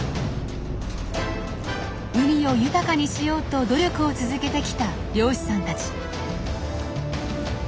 海を豊かにしようと努力を続けてきた漁師さんたち。